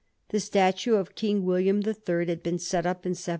The statue of King William the Third had been set up in 1701.